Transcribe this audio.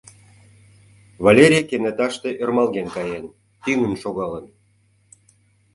Валерий кенеташте ӧрмалген каен, тӱҥын шогалын.